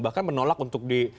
bahkan menolak untuk di